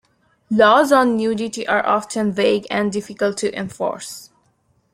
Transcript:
Laws on nudity are often vague and difficult to enforce.